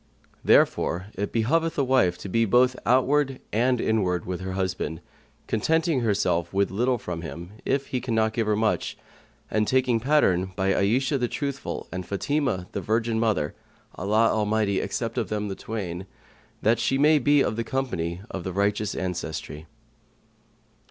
Therefore it behoveth a wife to be both outward and inward with her husband; contenting herself with little from him, if he cannot give her much, and taking pattern by Ayishah the Truthful and Fatimah the virgin mother (Allah Almighty accept of them the twain!), that she may be of the company of the righteous ancestry.